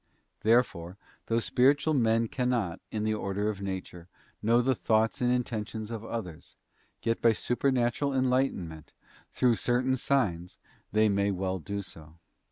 '§ Therefore, though spiritual men cannot, in the order of nature, know the thoughts and in tentions of others, yet by supernatural enlightenment, through certain signs, they may well do so.